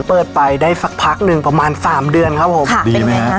เปิดไปได้สักพักหนึ่งประมาณสามเดือนครับผมดีไหมฮะ